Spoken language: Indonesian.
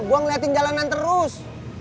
gue ngeliatin jalanan terus